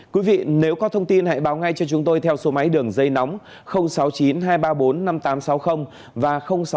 quý vị nếu có thông tin hãy báo ngay cho chúng tôi theo số máy đường dây nóng sáu mươi chín hai trăm ba mươi bốn năm nghìn tám trăm sáu mươi và sáu mươi chín hai trăm ba mươi một một nghìn sáu trăm bảy